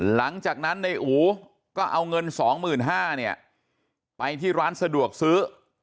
หลังจากนั้นในอู๋ก็เอาเงิน๒๕๐๐เนี่ยไปที่ร้านสะดวกซื้อ